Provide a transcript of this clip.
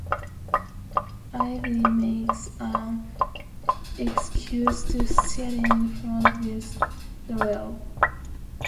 Ivy makes an excuse to sit in the front with Darrel.